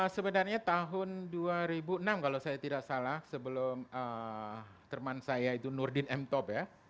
sebenarnya tahun dua ribu enam kalau saya tidak salah sebelum teman saya itu nurdin m top ya